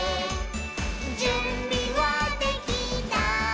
「じゅんびはできた？